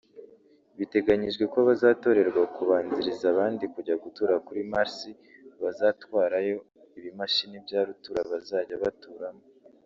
Biteganyijwe ko abazatorerwa kubanziriza abandi kujya gutura kuri Mars bazatwarayo ibimashini bya rutura bazajya baturamo